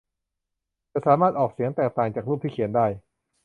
จะสามารถออกเสียงแตกต่างจากรูปที่เขียนได้